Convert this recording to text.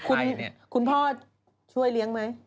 คุณพ่อช่วยเลี้ยงไหม